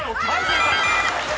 正解。